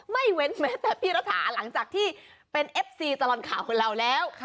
เว้นแม้แต่พี่รัฐาหลังจากที่เป็นเอฟซีตลอดข่าวของเราแล้ว